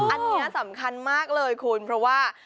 อันนี้สำคัญมากเลยคุณเพราะว่า